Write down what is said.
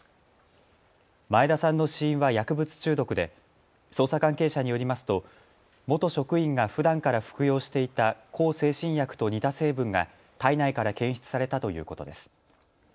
前田さんの死因は薬物中毒で捜査関係者によりますと元職員がふだんから服用していた向精神薬と似た成分が体内から検出されたということです。